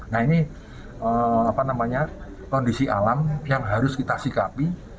nah ini kondisi alam yang harus kita sikapi